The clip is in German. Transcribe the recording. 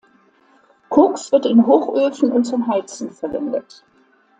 Koks wird in Hochöfen und zum Heizen verwendet.